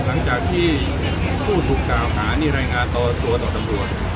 หลังจากที่ผู้ถูกกล่าวหานี่รายงานต่อตัวต่อตำรวจ